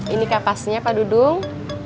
ini kapasnya padudung